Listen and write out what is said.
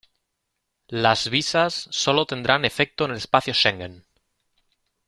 Las visas solo tendrán efecto en el espacio Schengen.